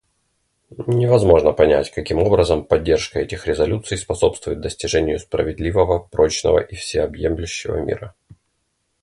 Невозможно понять, каким образом поддержка этих резолюций способствует достижению справедливого, прочного и всеобъемлющего мира.